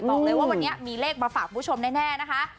บอกเลยว่าวันนี้มีเลขมาฝากคุณผู้ชมแน่นะคะ